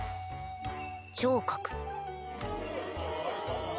聴覚。